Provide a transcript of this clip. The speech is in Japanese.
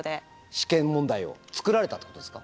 試験問題を作られたってことですか？